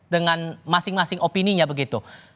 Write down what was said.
dengan masing masing opini nya begitu